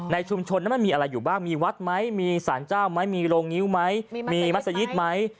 ในชุมชนมันมีอะไรอยู่บ้างมีวัดมั้ยมีสารเจ้ามั้ยมีโรงงิ้วมั้ยมีมัสยิตมั้ย